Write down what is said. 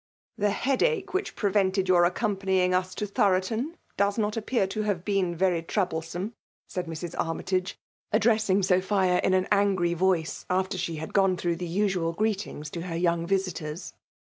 *' The head ache which preyented your ao oompanTing us to Thoroton does not appear 112 FEMALE DOMINATION. to have been very troublesome/' said Mrs. Armytage, addressing Sophia in an angry voice, after she had gone through the usual greetings to her young visitors.